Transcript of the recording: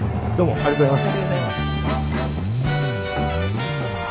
ありがとうございます。